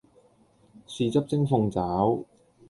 豉汁蒸鳳爪